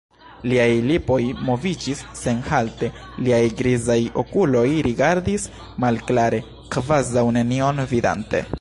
Liaj lipoj moviĝis senhalte, liaj grizaj okuloj rigardis malklare, kvazaŭ nenion vidante.